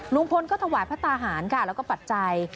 ลุงพลก็ถวายพระตาหารค่ะแล้วก็ปัจจัย